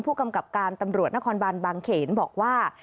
ผู้กำกับการตำรวจนครบานบางเขนบอกว่า